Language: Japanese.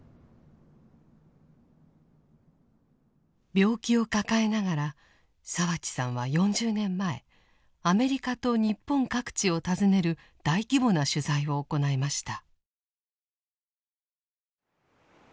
病気を抱えながら澤地さんは４０年前アメリカと日本各地を訪ねる大規模な取材を行いました。